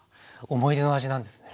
思い出の味なんですね。